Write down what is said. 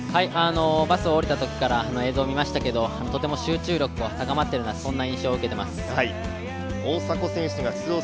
バスを降りたときからの映像を見ましたけど、とても集中力が高まっていると、そんな印象を受けています。